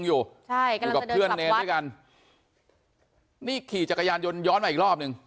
อยู่ใช่กำลังจะเดินกลับวัดด้วยกันนี่ขี่จักรยานย้อนย้อนมาอีกรอบหนึ่ง